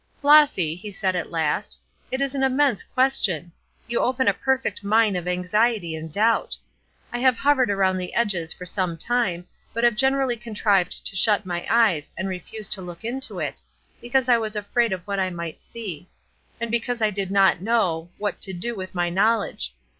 "Flossy," he said at last, "it is an immense question! You open a perfect mine of anxiety and doubt. I have hovered around the edges for some time, but have generally contrived to shut my eyes and refuse to look into it, because I was afraid of what I might see; and because I did not know what to do with my knowledge.